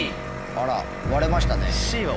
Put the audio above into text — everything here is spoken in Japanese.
あら割れましたね。